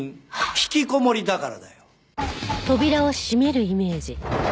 ひきこもりだから。